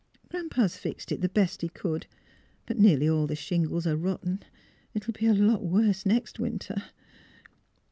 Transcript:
Gran 'pa's fixed it the best he could; but nearly all the shingles are rotten. It'll be a lot worse b' next winter."